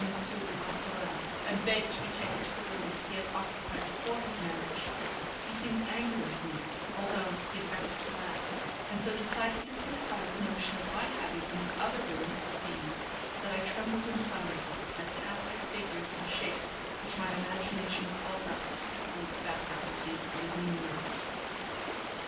de la Tourelle, and begged to be taken to the rooms he had occupied before his marriage, he seemed angry with me, although he affected to laugh, and so decidedly put aside the notion of my having any other rooms but these, that I trembled in silence at the fantastic figures and shapes which my imagination called up as peopling the background of those gloomy mirrors.